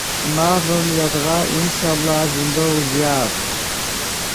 ماف ڤیم یدغا انشاء اللہ زندو اوزیآف